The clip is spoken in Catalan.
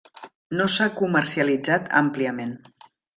No s'ha comercialitzat àmpliament.